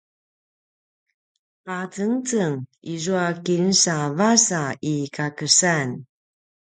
pacengceng izua kinsa vasa i kakesan